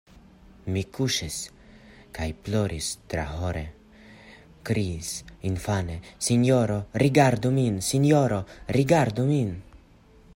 Mi kuŝis kaj ploris, trahore kriis infane: Sinjoro, rigardu min! Sinjoro, rigardu min!